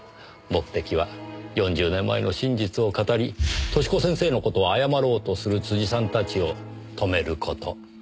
目的は４０年前の真実を語り寿子先生の事を謝ろうとする辻さんたちを止める事。